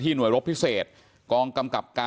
มีภาพวงจรปิดอีกมุมหนึ่งของตอนที่เกิดเหตุนะฮะ